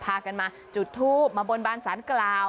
พากันมาจุดทูปมาบนบานสารกล่าว